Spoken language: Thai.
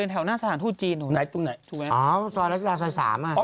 ตรงไหนตรงไหนถูกไหมครับอ๋อซอยรัชดาซอย๓อ่ะ